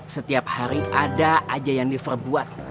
setiap hari ada aja yang diperbuat